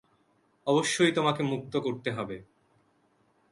অবশ্যই তোমাকে মুক্ত করতে হবে!